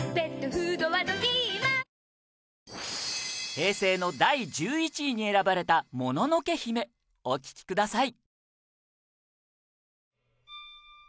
平成の第１１位に選ばれた『もののけ姫』お聴きください